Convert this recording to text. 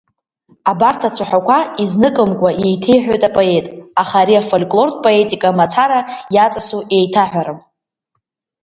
Абарҭ ацәаҳәақәа изныкымкәа иеҭеиҳәоит апоет, аха ари афольклортә поетика мацара иаҵасу еиҭаҳәарам.